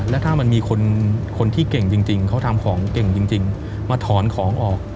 แล้วถ้ามันมีคนที่เก่งจริงเขาทำของเก่งจริงมาถอนของออก